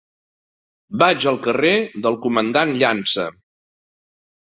Vaig al carrer del Comandant Llança.